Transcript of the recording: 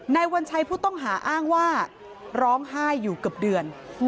วัญชัยผู้ต้องหาอ้างว่าร้องไห้อยู่เกือบเดือน